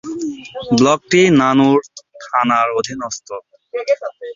ব্লকটি নানুর থানার অধীনস্থ।